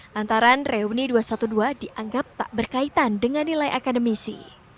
lantaran reuni dua ratus dua belas dianggap tak berkaitan dengan nilai akademisi